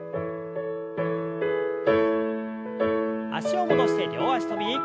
脚を戻して両脚跳び。